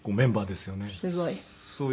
すごい。